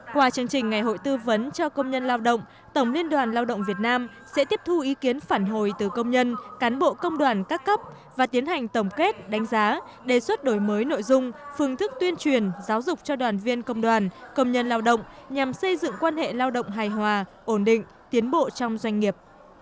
qua chương trình ngày hội tư vấn cho công nhân lao động tổng liên đoàn lao động việt nam sẽ tiếp thu ý kiến phản hồi từ công nhân cán bộ công đoàn các cấp và tiến hành tổng kết đánh giá đề xuất đổi mới nội dung phương thức tuyên truyền giáo dục cho đoàn viên công đoàn công nhân lao động nhằm xây dựng quan hệ lao động hài hòa ổn định tiến bộ trong doanh nghiệp